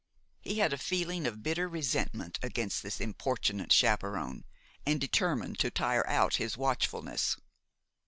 He had a feeling of bitter resentment against this importunate chaperon, and determined to tire out his watchfulness.